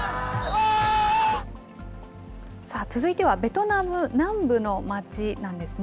続いてはベトナム南部の街なんですね。